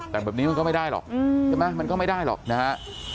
แต่งแบบนี้มันก็ไม่ได้หรอกใช่ไหมมันก็ไม่ได้หรอกนะฮะ